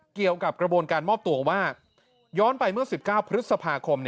เกี่ยวกับกระบวนการมอบตัวว่าย้อนไปเมื่อ๑๙พฤษภาคม